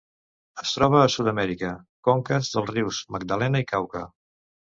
Es troba a Sud-amèrica: conques dels rius Magdalena i Cauca.